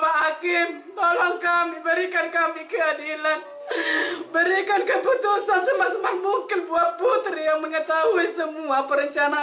bagi diberikan inan yang seandainya dihanyam